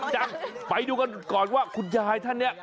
ยังไปดูกันก่อนว่าคุณยายท่านนี้